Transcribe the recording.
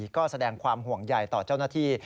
ก็แสดงความห่วงใยต่อเจ้าหน้าที่